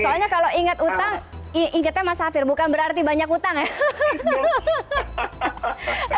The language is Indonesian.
soalnya kalau ingat utang ingatnya mas hafir bukan berarti banyak utang ya